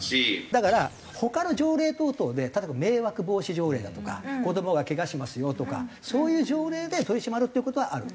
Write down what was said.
だから他の条例等々で例えば迷惑防止条例だとか子どもがケガしますよとかそういう条例で取り締まるっていう事はある。